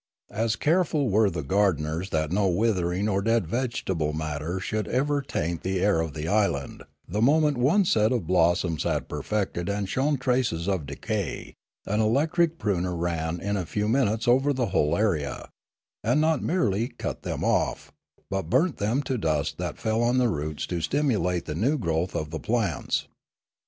As careful were the gardeners that no withering or dead vegetable matter should ever taint the air of the island; the moment one set of blossoms had perfected and shown traces of decay, an electric pruner ran in a few minutes over the whole area, and not merely cut them off, but burnt them to dust that fell on the roots to stimulate the new growth of the plants.